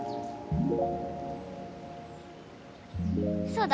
そうだ！